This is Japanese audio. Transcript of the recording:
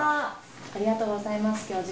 ありがとうございます。